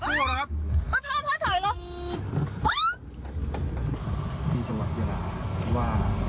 พ่อไม่ถึงเกาะรถเหมือนมนุษย์อ่ะ